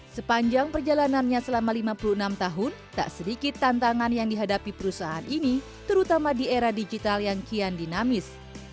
sepanjang perjalanannya selama lima puluh enam tahun tak sedikit tantangan yang dihadapi perusahaan ini terutama di era digital yang kian dinamis